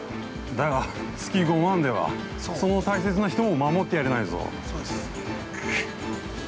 ◆だが、月５万では、その大切な人も守ってやれないぞ。